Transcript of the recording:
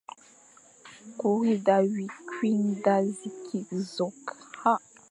« kuri da wi kwuign da zi kig zokh.